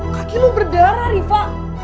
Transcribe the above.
kaki lo berdarah riva